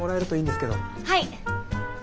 はい。